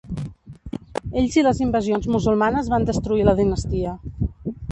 Ells i les invasions musulmanes van destruir la dinastia.